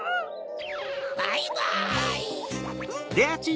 バイバイ！